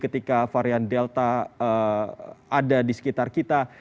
ketika varian delta ada di sekitar kita